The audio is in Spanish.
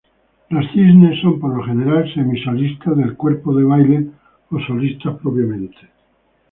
Los cisnes son, por lo general, semi-solistas del "cuerpo de baile" o solistas propiamente.